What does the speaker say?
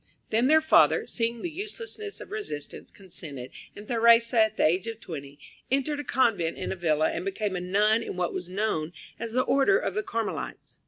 Then their father, seeing the uselessness of resistance, consented, and Theresa, at the age of twenty, entered a convent in Avila, and became a nun in what was known as the Order of the Carmelites.